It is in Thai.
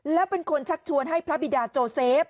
แล้วเป็นคนชักชวนให้พระบิดาโจเซฟ